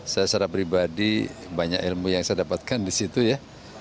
saya secara pribadi banyak ilmu yang saya dapatkan di situ ya